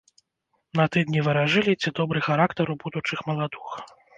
На тыдні варажылі, ці добры характар у будучых маладух.